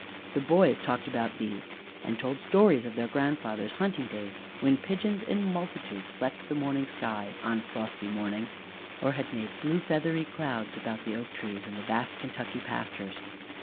The boys talked about these, and told stories of their grandfathers' hunting days when pigeons in multitudes flecked the morning sky on frosty mornings or had made blue feathery clouds about the oak trees in the vast Kentucky pastures.